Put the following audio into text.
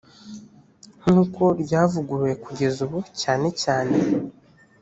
nk uko ryavuguruwe kugeza ubu cyane cyane